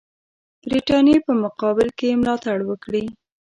برټانیې په مقابل کې یې ملاتړ وکړي.